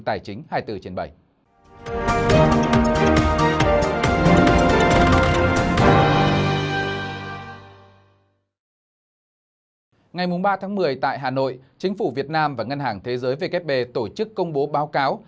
ngày ba tháng một mươi tại hà nội chính phủ việt nam và ngân hàng thế giới vkp tổ chức công bố báo cáo